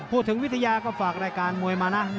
วิทยาก็ฝากรายการมวยมานะ